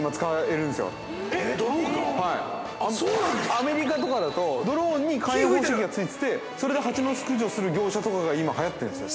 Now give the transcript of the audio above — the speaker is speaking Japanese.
アメリカとかだと、ドローンに火炎放射器がついてて、それでハチの巣駆除する業者とかが今はやってるんですよ。